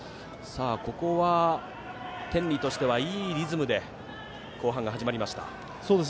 天理としてはいいリズムで後半が始まりました。